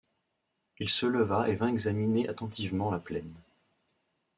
Il se leva et vint examiner attentivement la plaine.